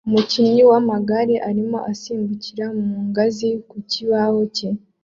Umukinnyi w'amagare arimo asimbukira ku ngazi ku kibaho cye